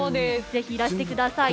ぜひいらしてください。